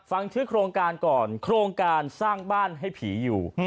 ฟังชื่อโครงการก่อนโครงการสร้างบ้านให้ผีอยู่